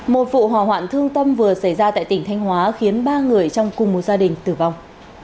một vụ hỏa hoạn thương tâm vừa xảy ra tại tỉnh thanh hóa khiến ba người trong cùng một gia đình tử vong